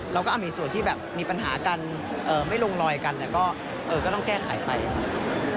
เราก็มีส่วนที่แบบมีปัญหากันไม่ลงรอยกันแต่ก็ต้องแก้ไขไปครับ